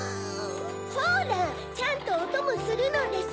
ほらちゃんとおともするのです！